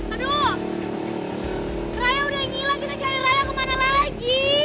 aduh saya udah ngilang kita cari raya kemana lagi